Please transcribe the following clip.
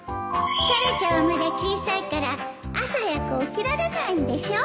タラちゃんはまだ小さいから朝早く起きられないんでしょ？